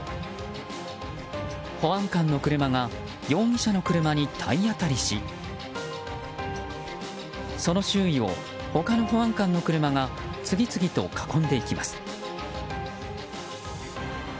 保安官の車が容疑者の車に体当たりしその周囲を他の保安官の車が次々と囲んでいきます。